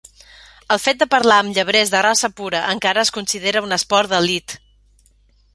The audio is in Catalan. El fet de parlar amb llebrers de raça pura encara es considera un esport "d'elit".